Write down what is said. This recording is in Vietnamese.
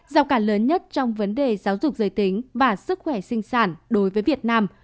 rào cản lớn nhất trong vấn đề giáo dục giới tính và sức khỏe sinh sản đối với việt nam